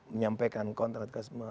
menyampaikan konten radikalisme